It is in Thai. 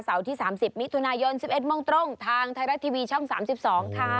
เสาร์ที่๓๐มิตุนายน๑๑มทางไทยรักษณ์ทีวีช่อง๓๒ค่ะ